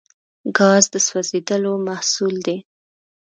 ګاز د سوځیدلو محصول دی.